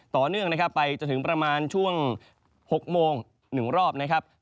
ต่อเนื่องนะครับไปจนถึงประมาณช่วง๖โมง๑รอบนะครับ